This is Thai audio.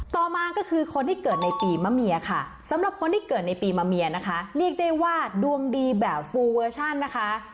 ต่อมาก็คือคนที่เกิดในปีมะเมียค่ะสำหรับคนที่เกิดในปีมะเมียนะคะเรียกได้ว่าดวงดีแบบฟูเวอร์ชันนะคะ